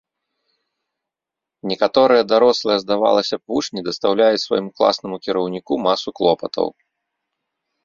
Некаторыя дарослыя, здавалася б, вучні дастаўляюць свайму класнаму кіраўніку масу клопатаў.